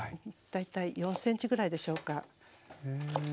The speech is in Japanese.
大体４ｃｍぐらいでしょうか。